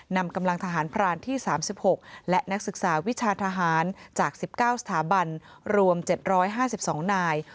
นำกำลังทหารพรานที่๓๖และนักศึกษาวิชาทหารจาก๑๙สถาบันรวม๗๕๒นาย